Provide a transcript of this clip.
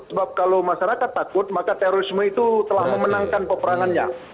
sebab kalau masyarakat takut maka terorisme itu telah memenangkan peperangan yang terjadi